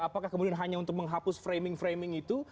apakah kemudian hanya untuk menghapus framing framing itu